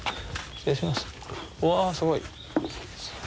失礼します。